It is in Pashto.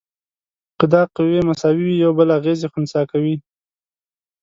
که دا قوې مساوي وي یو بل اغیزې خنثی کوي.